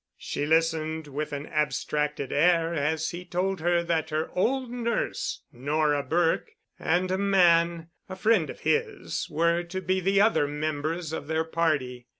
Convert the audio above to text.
She listened with an abstracted air as he told her that her old nurse, Nora Burke, and a man, a friend of his, were to be the other members of their party.